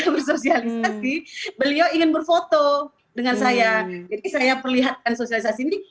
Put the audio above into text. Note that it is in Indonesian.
bersosialisasi beliau ingin berfoto dengan saya jadi saya perlihatkan sosialisasi ini